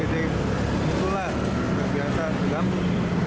itu lah biasa terganggu